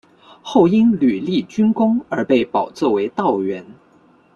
后因屡立军功而被保奏为道员。